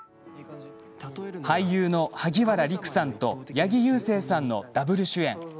俳優の萩原利久さんと八木勇征さんのダブル主演。